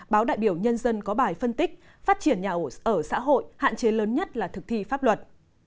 báo đại biểu nhân dân có bài phân tích phát triển nhà ở xã hội hạn chế lớn nhất là thực thi pháp luật